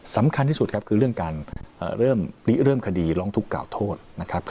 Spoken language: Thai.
สำคัญที่สุดครับคือเรื่องการเริ่มคดีร้องทุกข่าโทษนะครับ